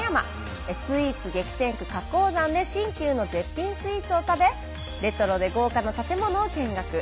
スイーツ激戦区覚王山で新旧の絶品スイーツを食べレトロで豪華な建物を見学。